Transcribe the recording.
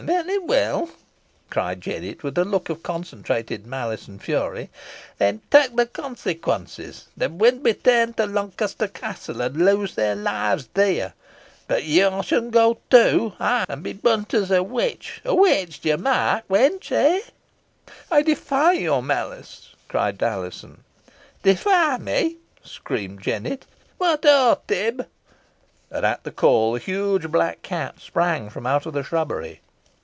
"Varry weel," cried Jennet, with a look of concentrated malice and fury; "then tak the consequences. They win be ta'en to Lonkester Castle, an lose their lives theere. Bo ye shan go, too ay, an be brunt os a witch a witch d'ye mark, wench? eh!" "I defy your malice!" cried Alizon. "Defy me!" screamed Jennet. "What, ho! Tib!" And at the call the huge black cat sprang from out the shrubbery.